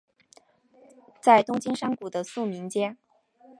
在东京山谷的宿民街。